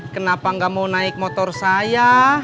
kenapa nggak mau naik motor saya